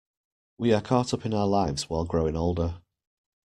We are caught up in our lives while growing older.